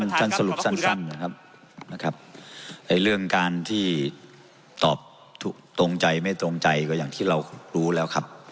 ท่านท่านสรุปสั้นสั้นนะครับนะครับไอ้เรื่องการที่ตอบถูกตรงใจไม่ตรงใจก็อย่างที่เรารู้แล้วครับ